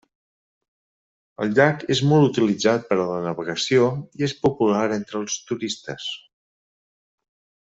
El llac és molt utilitzat per a la navegació i és popular entre els turistes.